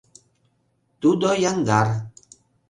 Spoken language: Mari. Тудо яндар.